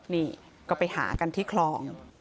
นี่ก็ไปหากันที่คลอง